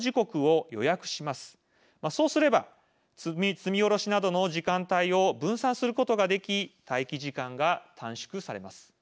そうすれば積み下ろしなどの時間帯を分散することができ待機時間が短縮されます。